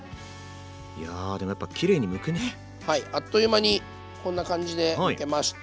やでもやっぱはいあっという間にこんな感じでむけました。